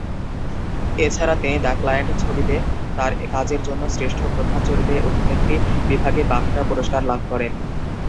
এছাড়া তিনি "the client" ছবিতে তার কাজের জন্য শ্রেষ্ঠ প্রধান চরিত্রে অভিনেত্রী বিভাগে বাফটা পুরস্কার লাভ করেন।